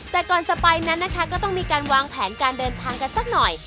แต่ก่อนจะไปนั้นนะคะก็ต้องมีการวางแผนการเดินทางกันสักหน่อย